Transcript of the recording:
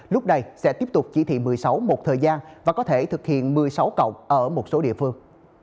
lúc này sẽ tiếp tục chỉ thị một mươi sáu một thời gian và có thể thực hiện một mươi sáu cộng ở một số địa phương